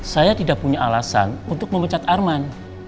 saya tidak punya alasan untuk memecat arman